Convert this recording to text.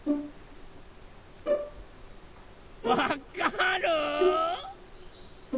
・わかる？